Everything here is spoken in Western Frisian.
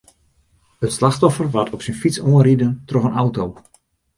It slachtoffer waard op syn fyts oanriden troch in auto.